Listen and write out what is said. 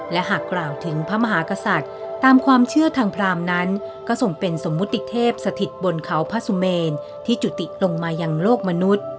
และหากกล่าวถึงพระมหากษัตริย์ตามความเชื่อทางพรามนั้นก็ส่งเป็นสมมุติเทพสถิตบนเขาพระสุเมนที่จุติลงมายังโลกมนุษย์